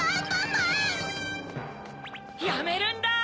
やめるんだ！